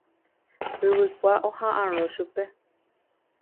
Yvykua oha'ãrõ chupe.